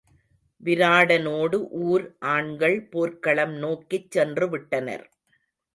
விராடனோடு ஊர் ஆண்கள் போர்க்களம் நோக்கிச் சென்று விட்டனர்.